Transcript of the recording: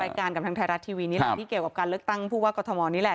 กับทางไทยรัฐทีวีนี่แหละที่เกี่ยวกับการเลือกตั้งผู้ว่ากรทมนี่แหละ